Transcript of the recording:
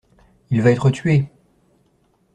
Il va être tué!